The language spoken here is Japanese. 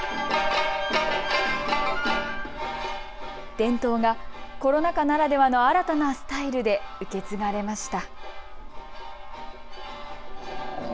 伝統がコロナ禍ならではの新たなスタイルで受け継がれました。